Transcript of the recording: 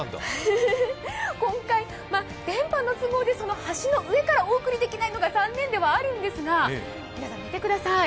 今回、電波の都合でその橋の上からお送りできないのが残念ではあるんですが、皆さん、見てください。